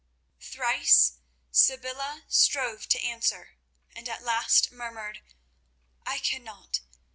Thrice Sybilla strove to answer, and at last murmured: "I cannot.